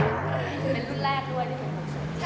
เป็นรุ่นแรกด้วย